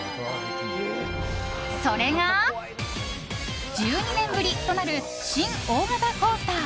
それが、１２年ぶりとなる超大型コースター